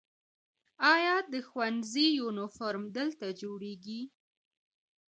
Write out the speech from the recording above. آیا د ښوونځي یونیفورم دلته جوړیږي؟